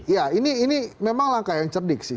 ya ini memang langkah yang cerdik sih